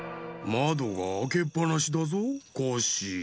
まどがあけっぱなしだぞコッシー。